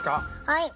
はい！